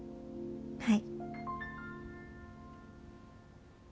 はい。